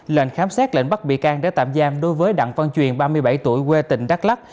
lệnh khám xét lệnh bắt bị can để tạm giam đối với đặng văn truyền ba mươi bảy tuổi quê tỉnh đắk lắc